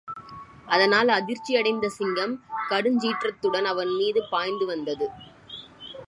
அதனால் அதிர்சியடைந்த சிங்கம், கடுஞ்சிற்றத்துடன் அவன் மீது பாய்ந்து வந்தது.